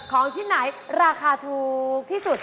ของที่ไหนราคาถูกที่สุด